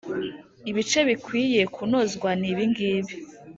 ibice bikwiye kunozwa nibingibi